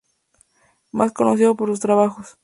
Más conocido por sus trabajos.